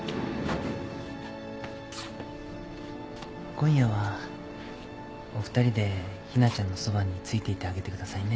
今夜はお二人でひなちゃんのそばに付いていてあげてくださいね。